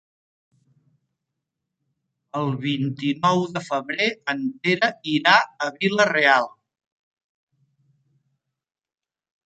El vint-i-nou de febrer en Pere irà a Vila-real.